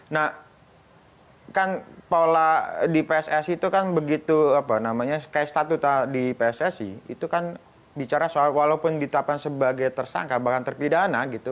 nah kan pola di pssi itu kan begitu apa namanya kayak statuta di pssi itu kan bicara soal walaupun ditetapkan sebagai tersangka bahkan terpidana gitu